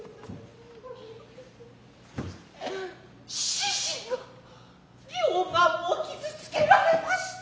獅子が両眼を傷つけられました。